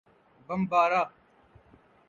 Bambara